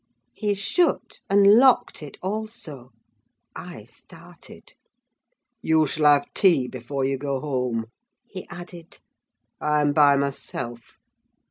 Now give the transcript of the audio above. He shut and locked it also. I started. "You shall have tea before you go home," he added. "I am by myself.